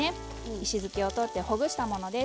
石突きを取ってほぐしたものです。